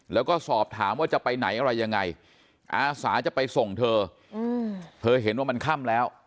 แล้วก็สอบถามว่าจะไปไหนอะไรยังไงอาสาจะไปส่งเธอเธอเห็นว่ามันค่ำแล้ว